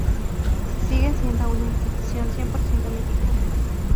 Sigue siendo una institución cien por ciento mexicana.